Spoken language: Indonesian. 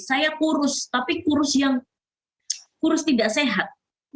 saya kurus tapi kurus yang kurus tidak sehat